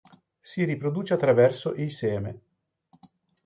Si riproduce attraverso i seme.